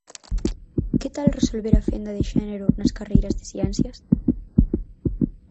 Que tal resolver a fenda de xénero nas carreiras de ciencias?